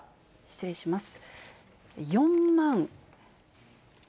失礼します。